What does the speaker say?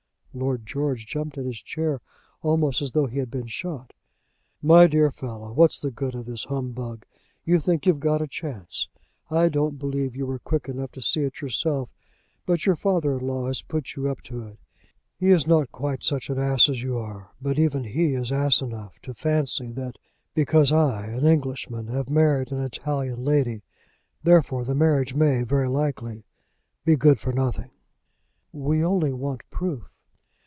Lord George jumped in his chair, almost as though he had been shot. "My dear fellow, what's the good of this humbug? You think you've got a chance. I don't believe you were quick enough to see it yourself, but your father in law has put you up to it. He is not quite such an ass as you are; but even he is ass enough to fancy that because I, an Englishman, have married an Italian lady, therefore the marriage may, very likely, be good for nothing." "We only want proof."